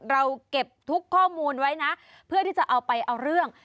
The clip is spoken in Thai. เราเก็บทุกข้อมูลไว้นะเพื่อที่จะเอาไปเอาเรื่อง